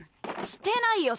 してないよ